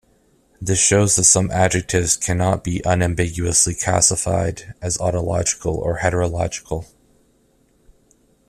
This shows that some adjectives cannot be unambiguously classified as autological or heterological.